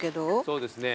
そうですね。